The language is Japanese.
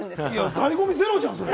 醍醐味ゼロじゃん、それ。